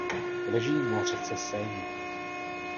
Leží na řece Seině.